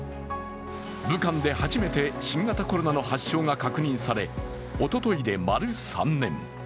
武漢で初めて新型コロナの発症が確認され、おとといで丸３年。